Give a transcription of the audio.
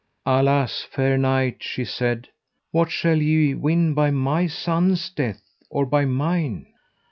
Alas, fair knight, she said, what shall ye win by my son's death or by mine?